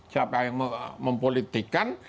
siapa yang mempolitikan